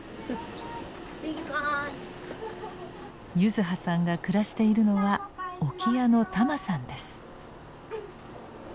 柚子葉さんが暮らしているのは置屋の多麻さんです。